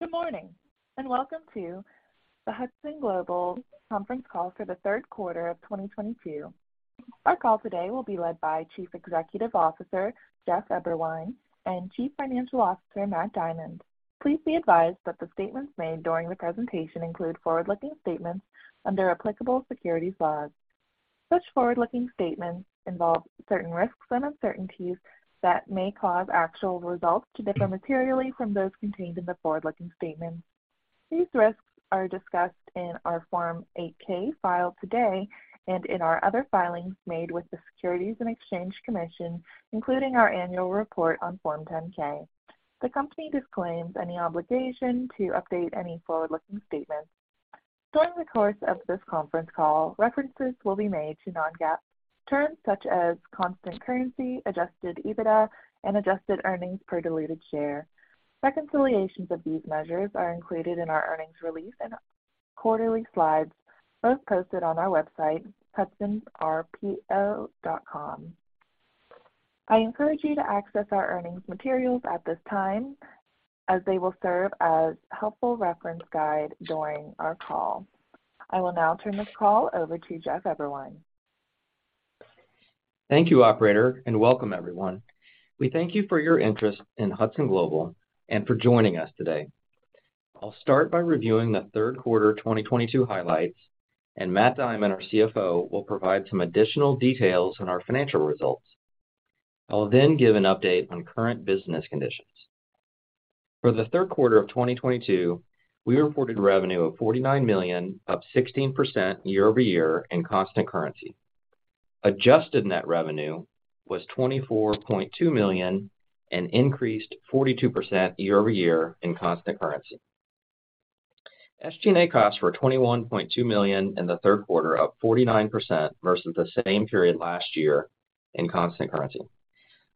Good morning and welcome to the Hudson Global conference call for the third quarter of 2022. Our call today will be led by Chief Executive Officer Jeff Eberwein and Chief Financial Officer, Matt Diamond. Please be advised that the statements made during the presentation include forward-looking statements under applicable securities laws. Such forward-looking statements involve certain risks and uncertainties that may cause actual results to differ materially from those contained in the forward-looking statements. These risks are discussed in our Form 8-K filed today and in our other filings made with the Securities and Exchange Commission, including our annual report on Form 10-K. The company disclaims any obligation to update any forward-looking statements. During the course of this conference call, references will be made to non-GAAP terms, such as constant currency, adjusted EBITDA, and adjusted earnings per diluted share. Reconciliations of these measures are included in our earnings release and quarterly slides, both posted on our website, hudsonrpo.com. I encourage you to access our earnings materials at this time, as they will serve as helpful reference guide during our call. I will now turn this call over to Jeff Eberwein. Thank you, operator, and welcome everyone. We thank you for your interest in Hudson Global and for joining us today. I'll start by reviewing the third quarter 2022 highlights, and Matt Diamond, our CFO, will provide some additional details on our financial results. I'll then give an update on current business conditions. For the third quarter of 2022, we reported revenue of $49 million, up 16% year-over-year in constant currency. Adjusted net revenue was $24.2 million and increased 42% year-over-year in constant currency. SG&A costs were $21.2 million in the third quarter, up 49% versus the same period last year in constant currency.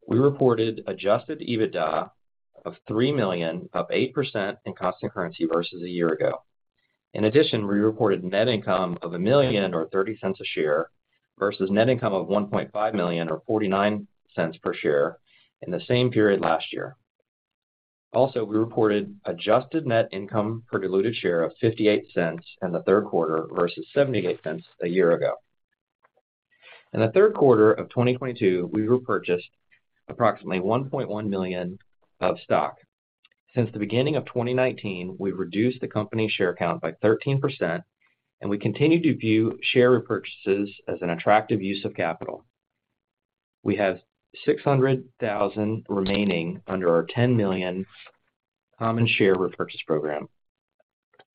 We reported adjusted EBITDA of $3 million, up 8% in constant currency versus a year ago. In addition, we reported net income of $1 million or $0.30 a share versus net income of $1.5 million or $0.49 per share in the same period last year. Also, we reported adjusted net income per diluted share of $0.58 in the third quarter versus $0.78 a year ago. In the third quarter of 2022, we repurchased approximately 1.1 million of stock. Since the beginning of 2019, we've reduced the company share count by 13%, and we continue to view share repurchases as an attractive use of capital. We have 600,000 remaining under our 10 million common share repurchase program.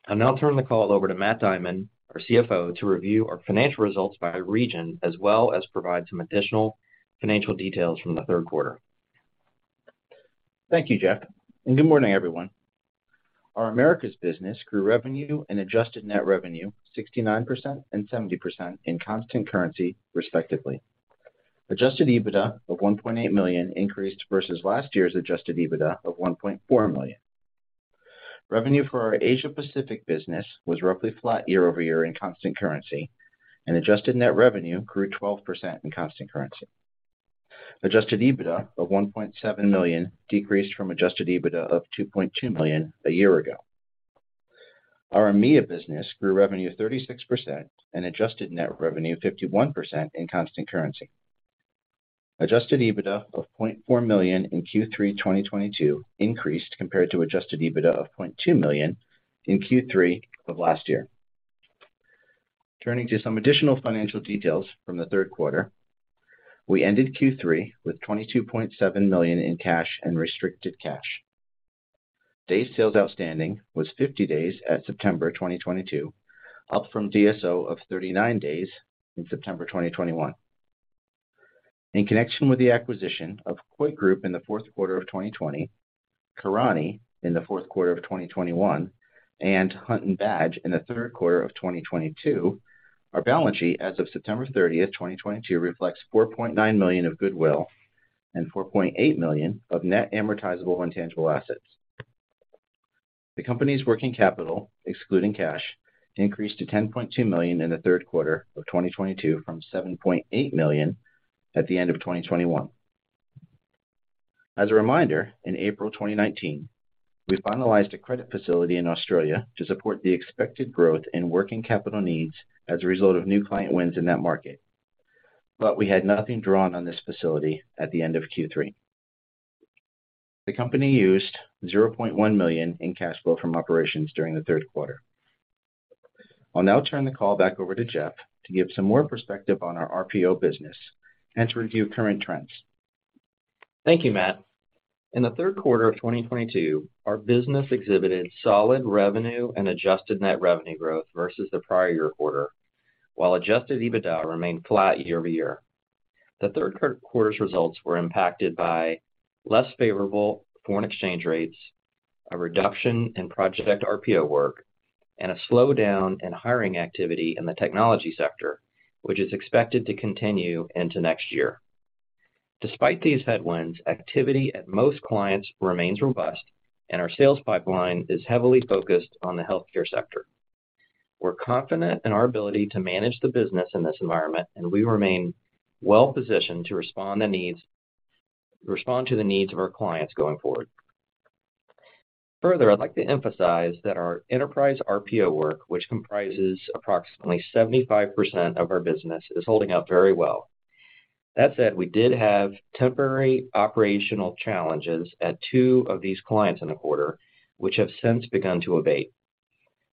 I'll now turn the call over to Matt Diamond, our CFO, to review our financial results by region, as well as provide some additional financial details from the third quarter. Thank you, Jeff, and good morning, everyone. Our Americas business grew revenue and adjusted net revenue 69% and 70% in constant currency, respectively. Adjusted EBITDA of $1.8 million increased versus last year's adjusted EBITDA of $1.4 million. Revenue for our Asia Pacific business was roughly flat year-over-year in constant currency, and adjusted net revenue grew 12% in constant currency. Adjusted EBITDA of $1.7 million decreased from adjusted EBITDA of $2.2 million a year ago. Our EMEA business grew revenue 36% and adjusted net revenue 51% in constant currency. Adjusted EBITDA of $0.4 million in Q3 2022 increased compared to adjusted EBITDA of $0.2 million in Q3 of last year. Turning to some additional financial details from the third quarter. We ended Q3 with $22.7 million in cash and restricted cash. Days sales outstanding was 50 days at September 2022, up from DSO of 39 days in September 2021. In connection with the acquisition of Coit Group in the fourth quarter of 2020, Karani in the fourth quarter of 2021, and Hunt & Badge in the third quarter of 2022, our balance sheet as of September 30th, 2022, reflects $4.9 million of goodwill and $4.8 million of net amortizable intangible assets. The company's working capital, excluding cash, increased to $10.2 million in the third quarter of 2022 from $7.8 million at the end of 2021. As a reminder, in April 2019, we finalized a credit facility in Australia to support the expected growth in working capital needs as a result of new client wins in that market. We had nothing drawn on this facility at the end of Q3. The company used $0.1 million in cash flow from operations during the third quarter. I'll now turn the call back over to Jeff to give some more perspective on our RPO business and to review current trends. Thank you, Matt. In the third quarter of 2022, our business exhibited solid revenue and adjusted net revenue growth versus the prior year quarter, while adjusted EBITDA remained flat year-over-year. The third quarter's results were impacted by less favorable foreign exchange rates, a reduction in project RPO work, and a slowdown in hiring activity in the technology sector, which is expected to continue into next year. Despite these headwinds, activity at most clients remains robust, and our sales pipeline is heavily focused on the healthcare sector. We're confident in our ability to manage the business in this environment, and we remain well-positioned to respond to the needs of our clients going forward. Further, I'd like to emphasize that our enterprise RPO work, which comprises approximately 75% of our business, is holding up very well. That said, we did have temporary operational challenges at two of these clients in the quarter, which have since begun to abate.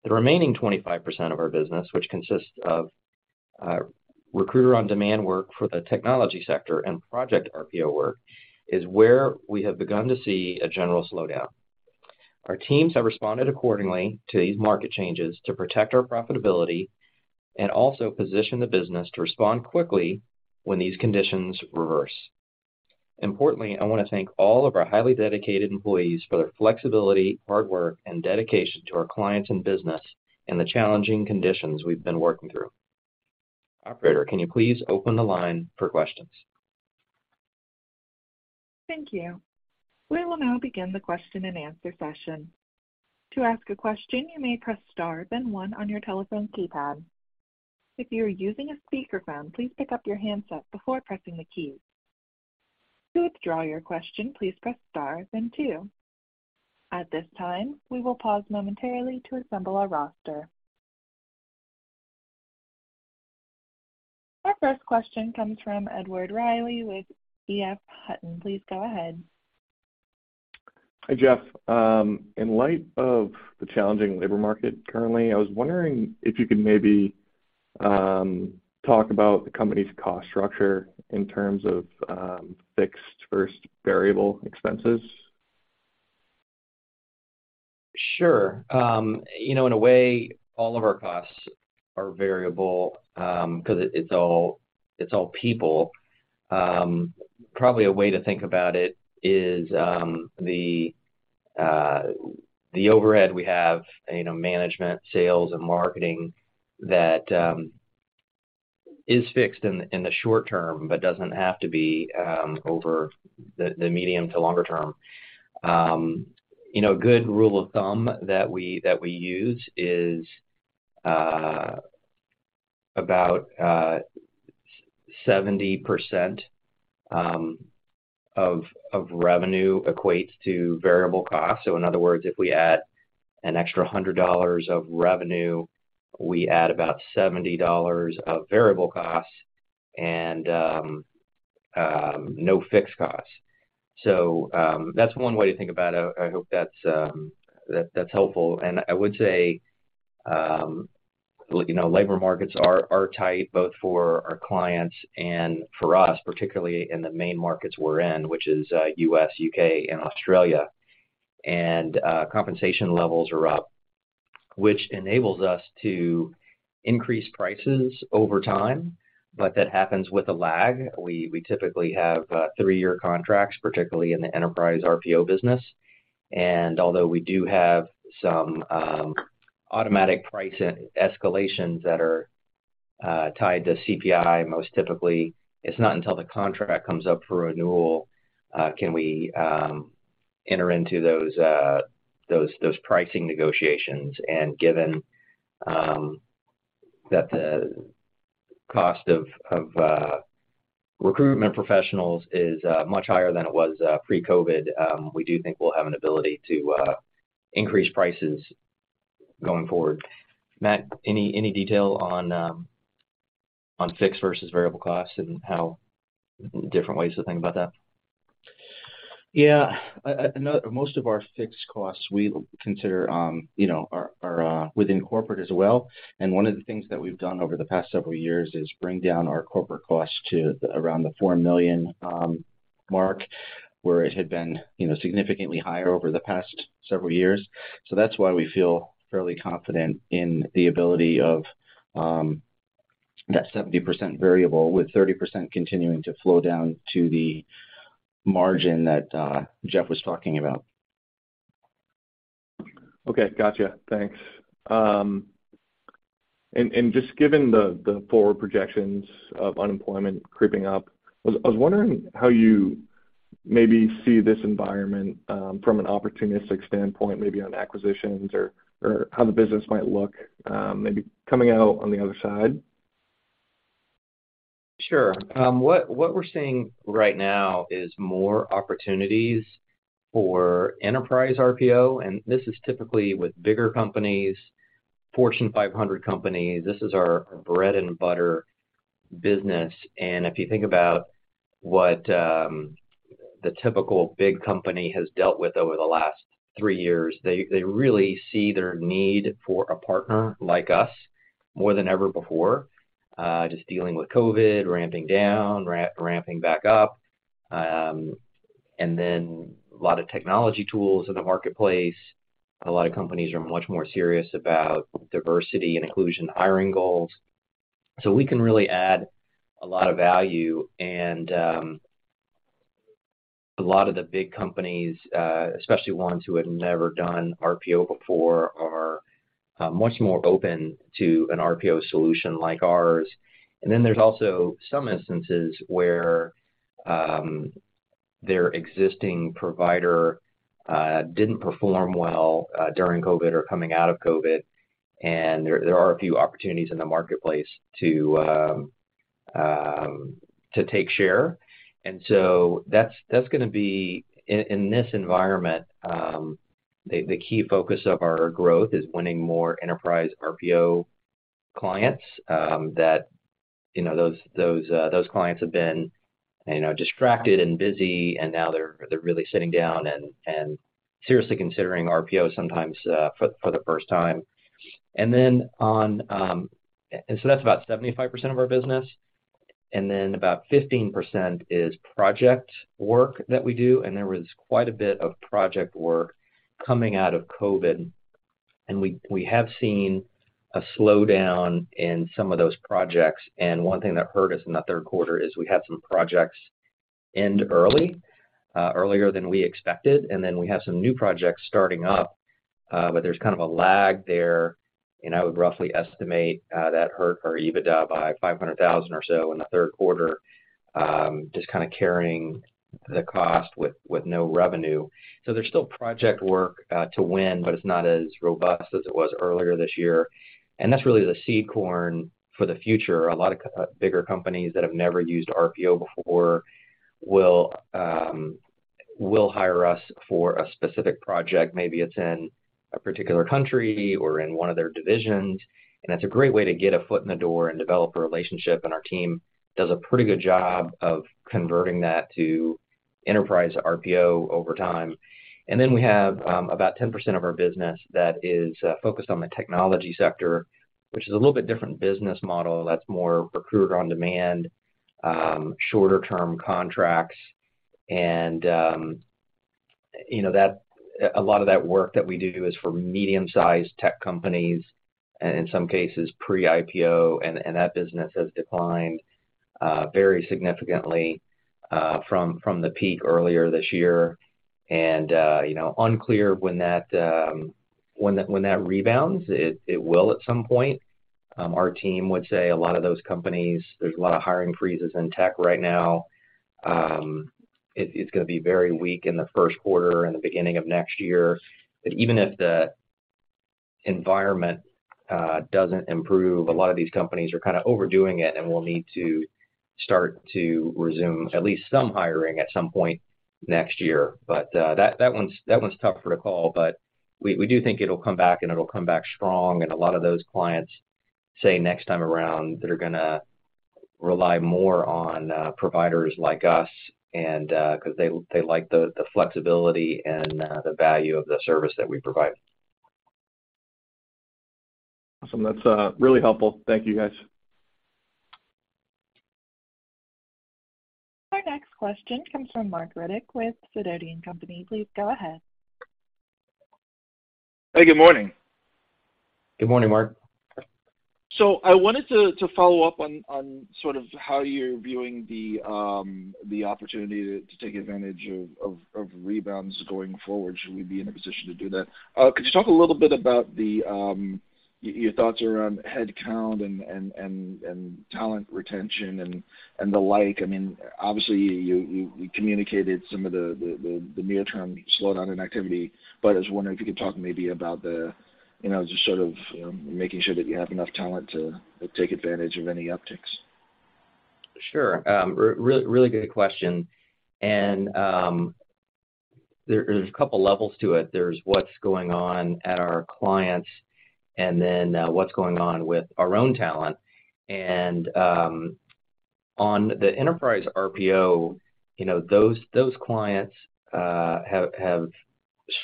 The remaining 25% of our business, which consists of recruiter on-demand work for the technology sector and project RPO work, is where we have begun to see a general slowdown. Our teams have responded accordingly to these market changes to protect our profitability and also position the business to respond quickly when these conditions reverse. Importantly, I wanna thank all of our highly dedicated employees for their flexibility, hard work, and dedication to our clients and business in the challenging conditions we've been working through. Operator, can you please open the line for questions? Thank you. We will now begin the question-and-answer session. To ask a question, you may press star then one on your telephone keypad. If you are using a speakerphone, please pick up your handset before pressing the keys. To withdraw your question, please press star then two. At this time, we will pause momentarily to assemble our roster. Our first question comes from Edward Reilly with EF Hutton. Please go ahead. Hi, Jeff. In light of the challenging labor market currently, I was wondering if you could maybe talk about the company's cost structure in terms of fixed versus variable expenses? Sure. You know, in a way, all of our costs are variable, 'cause it's all people. Probably a way to think about it is the overhead we have, you know, management, sales, and marketing that is fixed in the short term, but doesn't have to be over the medium to longer term. You know, a good rule of thumb that we use is about 70% of revenue equates to variable costs. In other words, if we add an extra $100 of revenue, we add about $70 of variable costs and no fixed costs. That's one way to think about it. I hope that's helpful. I would say, you know, labor markets are tight both for our clients and for us, particularly in the main markets we're in, which is U.S., U.K., and Australia. Compensation levels are up, which enables us to increase prices over time, but that happens with a lag. We typically have three-year contracts, particularly in the enterprise RPO business. Although we do have some automatic price escalations that are tied to CPI, most typically, it's not until the contract comes up for renewal can we enter into those pricing negotiations. Given that the cost of recruitment professionals is much higher than it was pre-COVID, we do think we'll have an ability to increase prices going forward. Matt, any detail on fixed versus variable costs and how different ways to think about that? Yeah. Most of our fixed costs we consider, you know, are within corporate as well. One of the things that we've done over the past several years is bring down our corporate costs to around the $4 million mark, where it had been, you know, significantly higher over the past several years. That's why we feel fairly confident in the ability of that 70% variable, with 30% continuing to flow down to the margin that Jeff was talking about. Okay. Gotcha. Thanks. Just given the forward projections of unemployment creeping up, I was wondering how you maybe see this environment, from an opportunistic standpoint, maybe on acquisitions or how the business might look, maybe coming out on the other side. Sure. What we're seeing right now is more opportunities for enterprise RPO, and this is typically with bigger companies, Fortune 500 companies. This is our bread and butter business. If you think about what the typical big company has dealt with over the last three years, they really see their need for a partner like us more than ever before, just dealing with COVID, ramping down, ramping back up, and then a lot of technology tools in the marketplace. A lot of companies are much more serious about diversity and inclusion hiring goals. We can really add a lot of value, and a lot of the big companies, especially ones who have never done RPO before, are much more open to an RPO solution like ours. There's also some instances where their existing provider didn't perform well during COVID or coming out of COVID, and there are a few opportunities in the marketplace to take share. That's gonna be in this environment the key focus of our growth is winning more enterprise RPO clients, that you know those clients have been you know distracted and busy, and now they're really sitting down and seriously considering RPO sometimes for the first time. That's about 75% of our business, and then about 15% is project work that we do, and there was quite a bit of project work coming out of COVID. We have seen a slowdown in some of those projects, and one thing that hurt us in the third quarter is we had some projects end early, earlier than we expected, and then we have some new projects starting up, but there's kind of a lag there. I would roughly estimate that hurt our EBITDA by $500,000 or so in the third quarter, just kinda carrying the cost with no revenue. There's still project work to win, but it's not as robust as it was earlier this year. That's really the seed corn for the future. A lot of bigger companies that have never used RPO before will hire us for a specific project. Maybe it's in a particular country or in one of their divisions, and that's a great way to get a foot in the door and develop a relationship, and our team does a pretty good job of converting that to enterprise RPO over time. We have about 10% of our business that is focused on the technology sector, which is a little bit different business model that's more Recruiter on Demand, shorter term contracts. A lot of that work that we do is for medium-sized tech companies and in some cases pre-IPO, and that business has declined very significantly from the peak earlier this year. Unclear when that rebounds. It will at some point. Our team would say a lot of those companies, there's a lot of hiring freezes in tech right now. It's gonna be very weak in the first quarter and the beginning of next year. Even if the environment doesn't improve, a lot of these companies are kinda overdoing it and will need to start to resume at least some hiring at some point next year. That one's tougher to call. We do think it'll come back, and it'll come back strong. A lot of those clients say next time around they're gonna rely more on providers like us and 'cause they like the flexibility and the value of the service that we provide. Awesome. That's really helpful. Thank you, guys. Our next question comes from Marc Riddick with Sidoti & Company. Please go ahead. Hey, good morning. Good morning, Marc. I wanted to follow up on sort of how you're viewing the opportunity to take advantage of rebounds going forward, should we be in a position to do that. Could you talk a little bit about your thoughts around headcount and talent retention and the like? I mean, obviously you communicated some of the near-term slowdown in activity, but I was wondering if you could talk maybe about you know just sort of making sure that you have enough talent to take advantage of any upticks. Sure. Really good question. There's a couple levels to it. There's what's going on at our clients and then what's going on with our own talent. On the enterprise RPO, you know, those clients have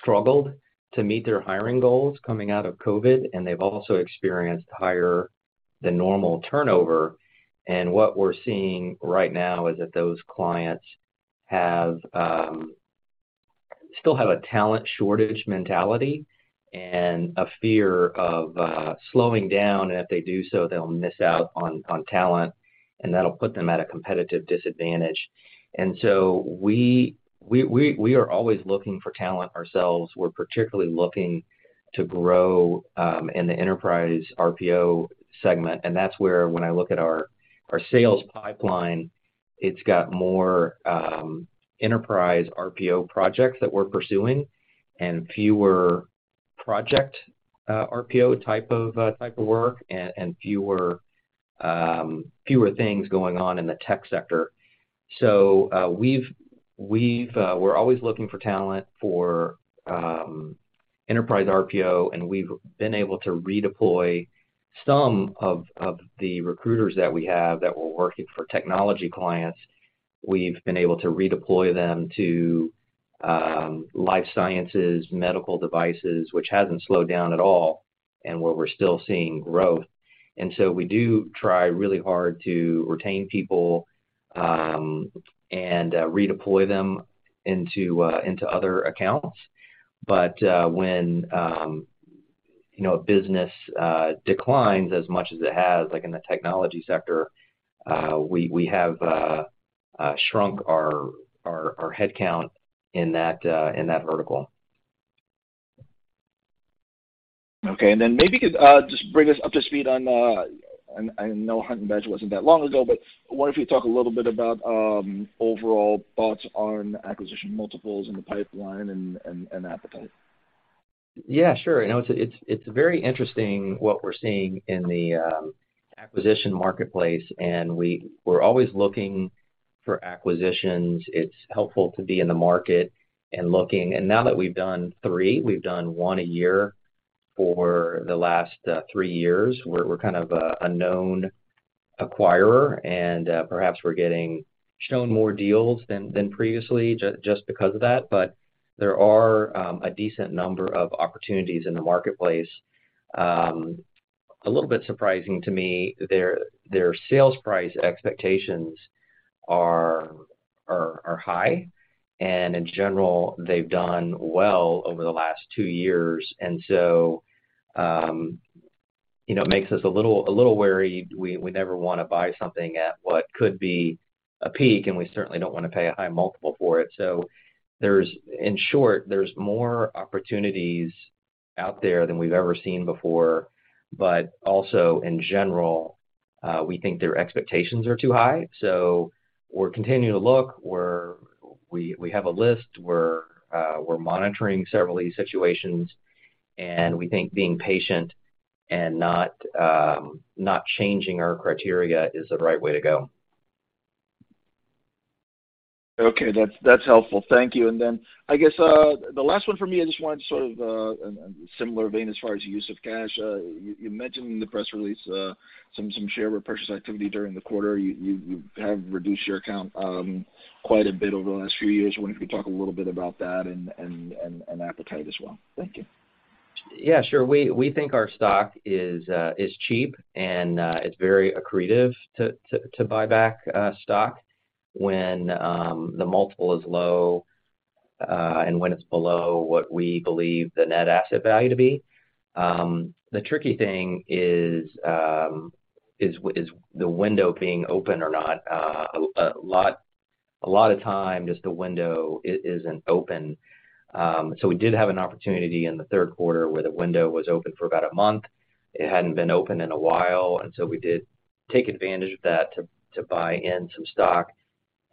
struggled to meet their hiring goals coming out of COVID, and they've also experienced higher than normal turnover. What we're seeing right now is that those clients still have a talent shortage mentality and a fear of slowing down, and if they do so, they'll miss out on talent, and that'll put them at a competitive disadvantage. We are always looking for talent ourselves. We're particularly looking to grow in the enterprise RPO segment, and that's where when I look at our sales pipeline, it's got more enterprise RPO projects that we're pursuing and fewer project RPO type of work and fewer things going on in the tech sector. We're always looking for talent for enterprise RPO, and we've been able to redeploy some of the recruiters that we have that were working for technology clients. We've been able to redeploy them to life sciences, medical devices, which hasn't slowed down at all and where we're still seeing growth. We do try really hard to retain people and redeploy them into other accounts. When you know a business declines as much as it has, like in the technology sector, we have shrunk our headcount in that vertical. Okay. Maybe just bring us up to speed on. I know Hunt & Badge wasn't that long ago, but I wonder if you talk a little bit about overall thoughts on acquisition multiples in the pipeline and appetite. Yeah, sure. You know, it's very interesting what we're seeing in the acquisition marketplace, and we're always looking for acquisitions. It's helpful to be in the market and looking. Now that we've done three, we've done one a year for the last three years, we're kind of a known acquirer, and perhaps we're getting shown more deals than previously just because of that. There are a decent number of opportunities in the marketplace. A little bit surprising to me, their sales price expectations are high. In general, they've done well over the last two years. You know, it makes us a little wary. We never wanna buy something at what could be a peak, and we certainly don't wanna pay a high multiple for it. In short, there's more opportunities out there than we've ever seen before. In general, we think their expectations are too high. We're continuing to look. We have a list. We're monitoring several of these situations. We think being patient and not changing our criteria is the right way to go. Okay. That's helpful. Thank you. I guess the last one for me. I just wanted to sort of in similar vein as far as use of cash. You mentioned in the press release some share repurchase activity during the quarter. You have reduced your account quite a bit over the last few years. I wonder if you could talk a little bit about that and appetite as well. Thank you. Yeah, sure. We think our stock is cheap and it's very accretive to buy back stock when the multiple is low and when it's below what we believe the net asset value to be. The tricky thing is the window being open or not. A lot of times the window isn't open. We did have an opportunity in the third quarter where the window was open for about a month. It hadn't been open in a while. We did take advantage of that to buy in some stock.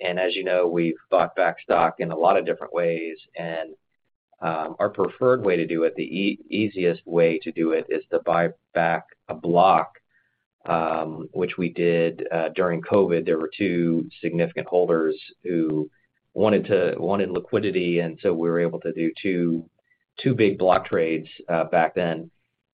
As you know, we've bought back stock in a lot of different ways. Our preferred way to do it, the easiest way to do it is to buy back a block, which we did during COVID. There were two significant holders who wanted liquidity, and we were able to do two big block trades back then.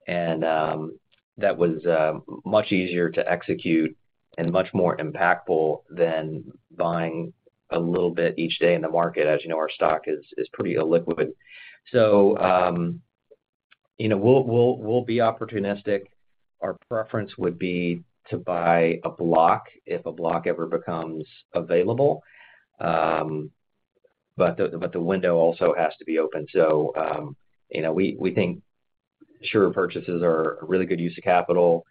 That was much easier to execute and much more impactful than buying a little bit each day in the market. As you know our stock is pretty illiquid. You know, we'll be opportunistic. Our preference would be to buy a block if a block ever becomes available, but the window also has to be open. You know, we think share purchases are a really good use of capital.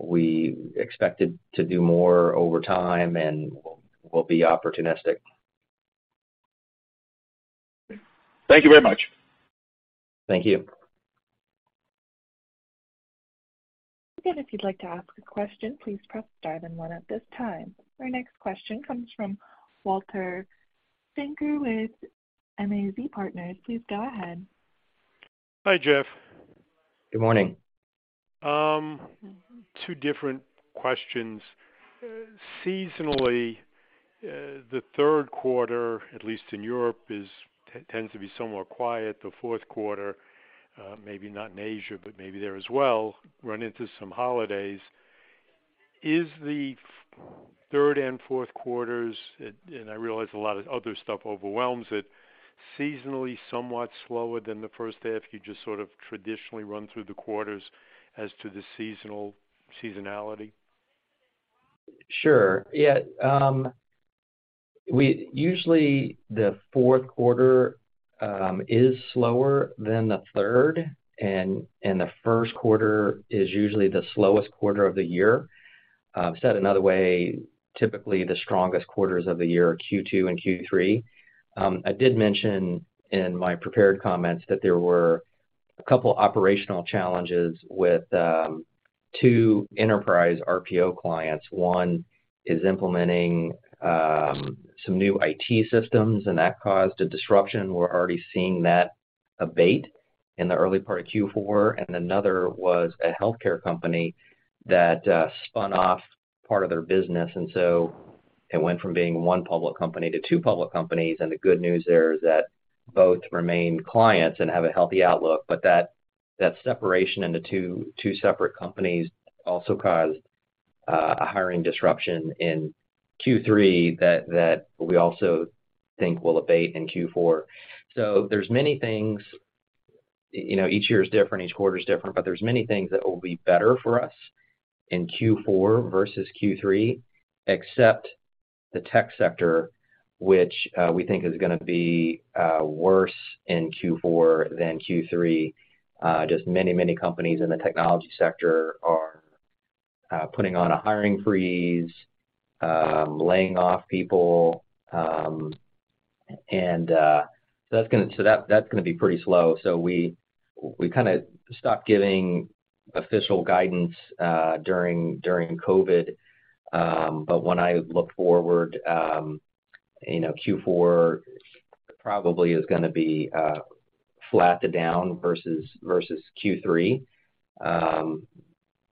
We expect it to do more over time, and we'll be opportunistic. Thank you very much. Thank you. Again, if you'd like to ask a question, please press star then one at this time. Our next question comes from Walter Schenker with MAZ Partners. Please go ahead. Hi, Jeff. Good morning. Two different questions. Seasonally, the third quarter, at least in Europe, tends to be somewhat quiet. The fourth quarter, maybe not in Asia, but maybe there as well, run into some holidays. Is the third and fourth quarters, and I realize a lot of other stuff overwhelms it, seasonally somewhat slower than the first half? You just sort of traditionally run through the quarters as to the seasonality. Sure. Yeah. Usually the fourth quarter is slower than the third. The first quarter is usually the slowest quarter of the year. Said another way, typically the strongest quarters of the year are Q2 and Q3. I did mention in my prepared comments that there were a couple operational challenges with two enterprise RPO clients. One is implementing some new IT systems, and that caused a disruption. We're already seeing that abate in the early part of Q4. Another was a healthcare company that spun off part of their business. It went from being one public company to two public companies. The good news there is that both remain clients and have a healthy outlook. That separation into two separate companies also caused a hiring disruption in Q3 that we also think will abate in Q4. There's many things. You know, each year is different, each quarter is different, but there's many things that will be better for us in Q4 versus Q3, except the tech sector, which we think is gonna be worse in Q4 than Q3. Just many companies in the technology sector are putting on a hiring freeze, laying off people. That's gonna be pretty slow. We kinda stopped giving official guidance during COVID. When I look forward, you know, Q4 probably is gonna be flat to down versus Q3,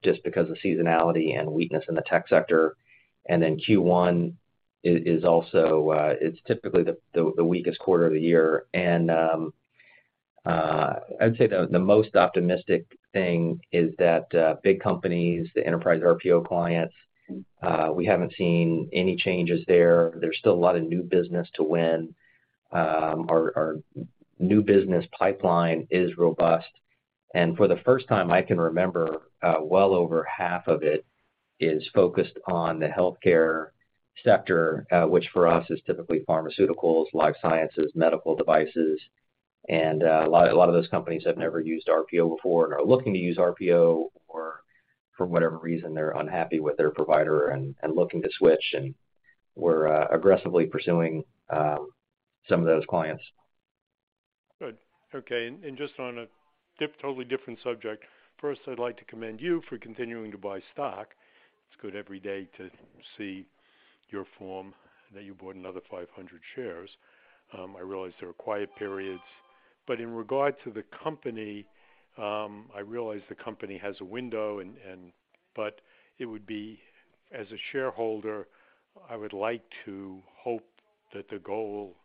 just because of seasonality and weakness in the tech sector. Q1 is also typically the weakest quarter of the year. I'd say the most optimistic thing is that big companies, the enterprise RPO clients, we haven't seen any changes there. There's still a lot of new business to win. Our new business pipeline is robust. For the first time I can remember, well over half of it is focused on the healthcare sector, which for us is typically pharmaceuticals, life sciences, medical devices. A lot of those companies have never used RPO before and are looking to use RPO or for whatever reason, they're unhappy with their provider and looking to switch. We're aggressively pursuing some of those clients. Good. Okay. Just on a totally different subject. First, I'd like to commend you for continuing to buy stock. It's good every day to see your form that you bought another 500 shares. I realize there are quiet periods. In regard to the company, I realize the company has a window. It would be, as a shareholder, I would like to hope that the goal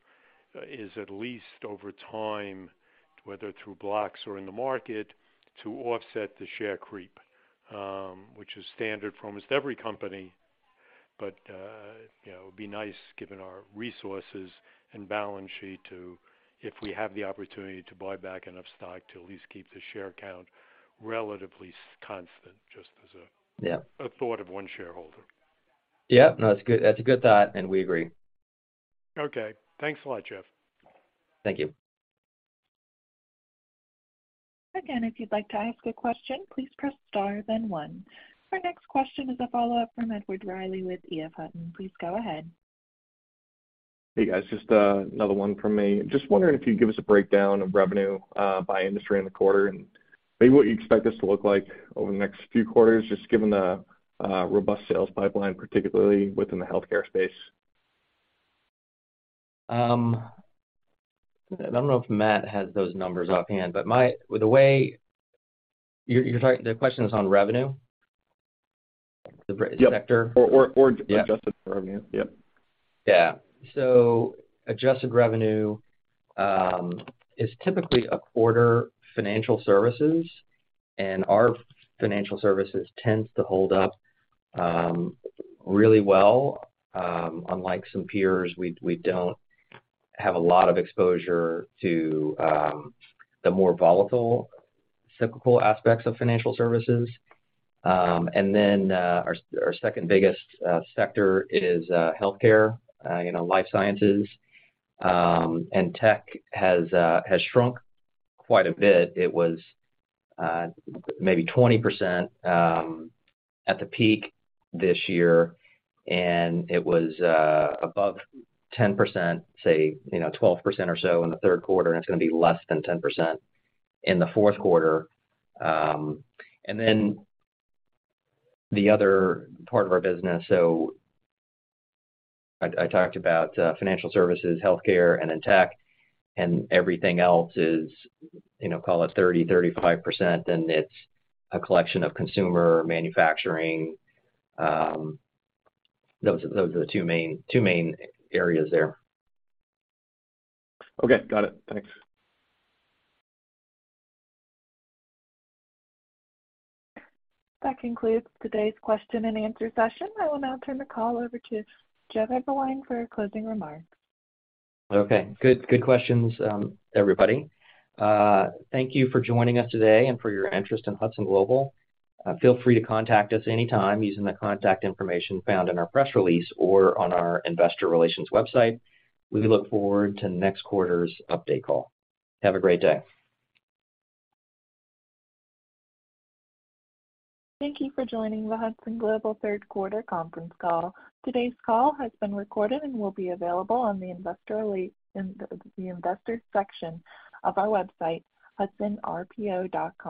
is at least over time, whether through blocks or in the market, to offset the share creep, which is standard for almost every company. You know, it would be nice, given our resources and balance sheet, if we have the opportunity to buy back enough stock to at least keep the share count relatively constant, just as a- Yeah. A thought of one shareholder. Yeah. No, that's good. That's a good thought, and we agree. Okay. Thanks a lot, Jeff. Thank you. Again, if you'd like to ask a question, please press star then one. Our next question is a follow-up from Edward Reilly with EF Hutton. Please go ahead. Hey, guys. Just another one from me. Just wondering if you'd give us a breakdown of revenue by industry in the quarter and maybe what you expect this to look like over the next few quarters, just given the robust sales pipeline, particularly within the healthcare space. I don't know if Matt has those numbers offhand, but you're talking. The question is on revenue? Yep. The sector? Or, or- Yeah. Adjusted revenue. Yep. Adjusted revenue is typically a quarter financial services, and our financial services tends to hold up really well. Unlike some peers, we don't have a lot of exposure to the more volatile cyclical aspects of financial services. Our second biggest sector is healthcare, you know, life sciences. Tech has shrunk quite a bit. It was maybe 20% at the peak this year, and it was above 10%, say, you know, 12% or so in the third quarter, and it's gonna be less than 10% in the fourth quarter. The other part of our business. I talked about financial services, healthcare and then tech, and everything else is, you know, call it 30%-35%, and it's a collection of consumer, manufacturing. Those are the two main areas there. Okay. Got it. Thanks. That concludes today's question-and-answer session. I will now turn the call over to Jeff Eberwein for closing remarks. Okay. Good, good questions, everybody. Thank you for joining us today and for your interest in Hudson Global. Feel free to contact us anytime using the contact information found in our press release or on our investor relations website. We look forward to next quarter's update call. Have a great day. Thank you for joining the Hudson Global third quarter conference call. Today's call has been recorded and will be available in the investor section of our website, hudsonrpo.com.